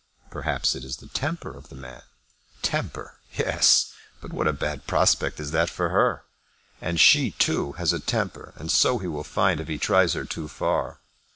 "Perhaps it is the temper of the man." "Temper, yes; but what a bad prospect is that for her! And she, too, has a temper, and so he will find if he tries her too far.